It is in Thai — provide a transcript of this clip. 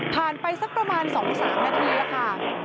ผ่านไปสักประมาณสองสามนาทีแล้วค่ะ